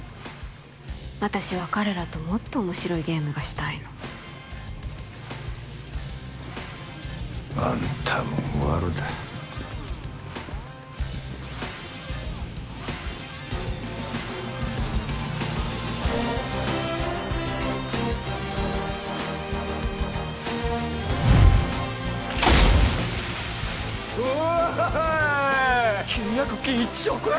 私は彼らともっと面白いゲームがしたいのあんたもワルだうおお！契約金１億円！？